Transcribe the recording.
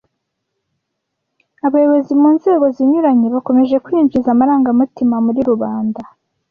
Abayobozi munzego zinyuranye bakomeje kwinjiza amarangamutima muri rubanda.